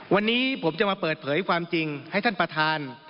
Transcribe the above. วันนี้ผมจะมาเปิดเผยความจริงให้ท่านประธาน